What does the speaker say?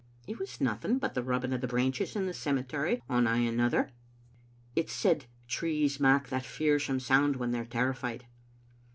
" It was nothing but the rubbing of the branches in the cemetery on ane another. It's said, trees mak* that fearsome sound when they're terrified."